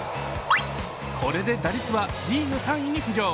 これで打率はリーグ３位に浮上。